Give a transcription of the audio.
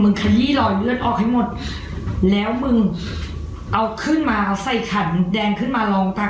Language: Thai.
ขยี้รอยเลือดออกให้หมดแล้วมึงเอาขึ้นมาใส่ขันแดงขึ้นมาลองกัน